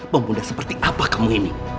pemuda seperti apa kamu ini